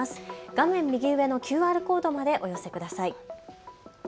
画面右上のＱＲコードまでお寄せください。